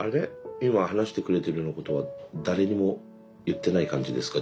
今話してくれてるようなことは誰にも言ってない感じですか。